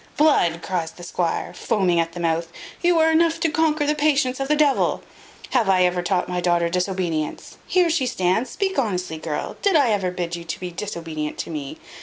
"Blood!" cries the squire, foaming at the mouth, "you are enough to conquer the patience of the devil! Have I ever taught my daughter disobedience? Here she stands; speak honestly, girl, did ever I bid you be disobedient to me?